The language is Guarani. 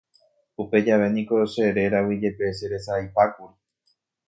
Upe jave niko che réragui jepe cheresaraipákuri.